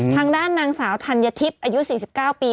ทางด้านนางสาวธัญทิพย์อายุ๔๙ปี